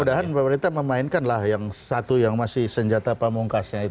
mudah mudahan pemerintah memainkanlah yang satu yang masih senjata pamungkasnya itu